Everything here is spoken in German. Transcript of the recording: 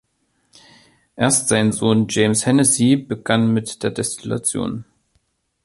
Erst sein Sohn James Hennessy begann mit der Destillation.